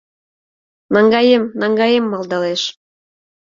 «Наҥгаем, наҥгаем» малдалеш.